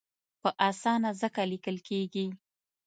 په اسانه ځکه لیکل کېږي.